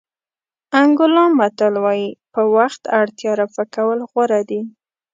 انګولا متل وایي په وخت اړتیا رفع کول غوره دي.